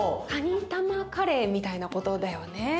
かに玉カレーみたいなことだよね？